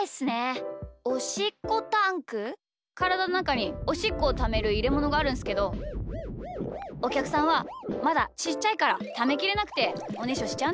おしっこタンク？からだのなかにおしっこをためるいれものがあるんすけどおきゃくさんはまだちっちゃいからためきれなくておねしょしちゃうんですよね。